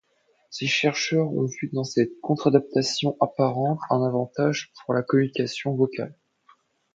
Ces chercheurs ont vu dans cette contre-adaptation apparente un avantage pour la communication vocale.